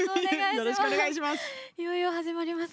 よろしくお願いします。